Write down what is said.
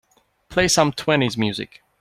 Play some twenties music